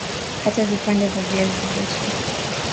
kata vipande vya viazi lishe